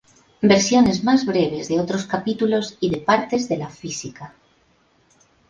Versiones más breves de otros capítulos y de partes de la "Física".